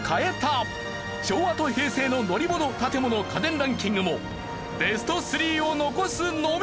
昭和と平成の乗り物・建物・家電ランキングもベスト３を残すのみ。